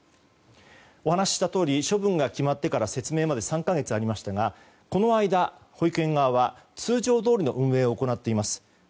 お話したとおり処分が決まってから説明まで３か月ありましたがこの間、保育園側は通常どおりの運営を行っています。